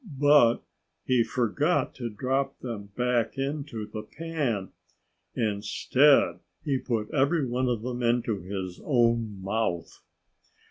But he forgot to drop them back into the pan. Instead, he put every one of them into his own mouth.